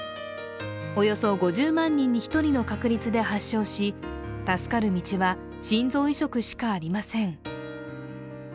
およそ５０万人に１人の確率で発症し助かる道は心臓移植しかありません。